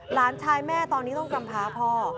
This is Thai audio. หลานชายแม่ตอนนี้ต้องกำพาพ่อ